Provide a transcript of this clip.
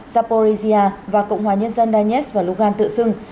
zaporizhia và cộng hòa nhân dân danes và lugan tự xưng